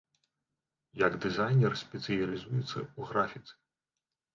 Як дызайнер спецыялізуецца ў графіцы.